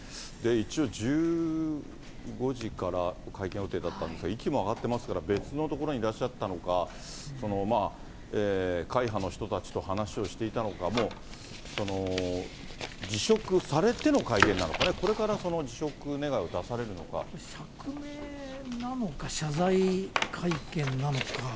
一応、１５時から会見予定だったんですけれども、息も上がってますから、別の所にいらっしゃったのか、会派の人たちと話をしていたのか、もう辞職されての会見なのかね、釈明なのか、謝罪会見なのか。